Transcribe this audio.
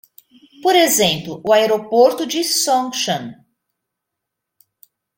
Por exemplo, o aeroporto de Songshan